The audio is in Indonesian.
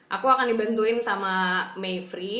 aku akan dibentuin sama mayfree